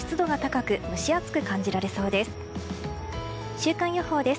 週間予報です。